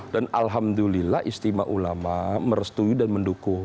dan alhamdulillah istimewa ulama merestui dan mendukung